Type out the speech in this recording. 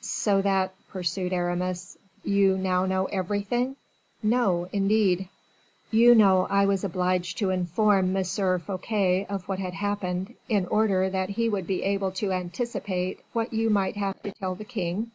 "So that," pursued Aramis, "you now know everything?" "No, indeed." "You know I was obliged to inform M. Fouquet of what had happened, in order that he would be able to anticipate what you might have to tell the king?"